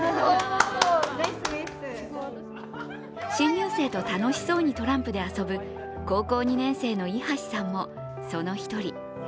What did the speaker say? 新入生と楽しそうにトランプで遊ぶ高校２年生の伊橋さんも、その１人。